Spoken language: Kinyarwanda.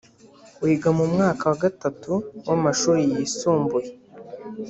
wiga mu mwaka wa Gatatu w’amashuri yisumbuye